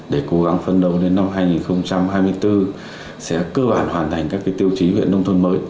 để cố gắng phân đấu đến năm hai nghìn hai mươi bốn sẽ cơ bản hoàn thành các tiêu chí huyện nông thôn mới